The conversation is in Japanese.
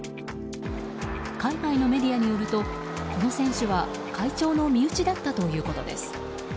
海外のメディアによるとこの選手は会長の身内だったということです。